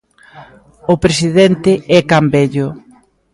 O presidente é can vello.